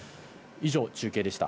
以上、中継でした。